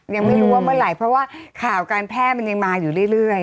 ยังไม่รู้ว่าเมื่อไหร่เพราะว่าข่าวการแพร่มันยังมาอยู่เรื่อย